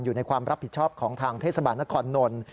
อยู่ในความรับผิดชอบของทางเทศบาลนครนนท์